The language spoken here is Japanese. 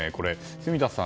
住田さん